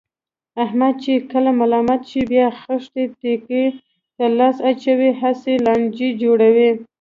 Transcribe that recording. احمد چې کله ملامت شي، بیا خښې تیګې ته لاس اچوي، هسې لانجې جوړوي.